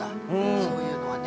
そういうのはね。